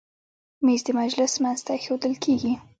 مېز د مجلس منځ ته ایښودل کېږي.